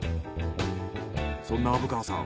そんな虻川さん